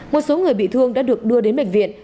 một số người bị thương đã được đưa đến bệnh viện